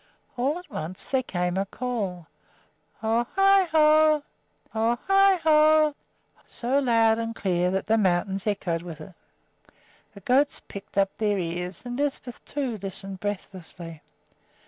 All at once there came a call, "Ho i ho! ho i ho!" so loud and clear that the mountains echoed with it. The goats pricked up their ears, and Lisbeth, too, listened breathlessly.